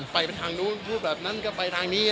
ไปเป็นทางนู้นพูดแบบนั้นก็ไปทางนี้